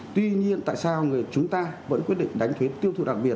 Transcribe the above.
tuy nhiên tại sao chúng ta vẫn quyết định đánh thuế tiêu thụ đặc biệt